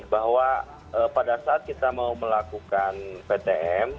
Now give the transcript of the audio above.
bahwa pada saat kita mau melakukan ptm